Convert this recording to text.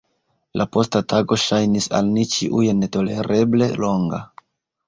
La posta tago ŝajnis al ni ĉiuj netolereble longa.